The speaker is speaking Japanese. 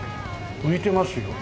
浮いてますよ。